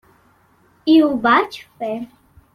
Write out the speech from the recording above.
I ho vaig fer.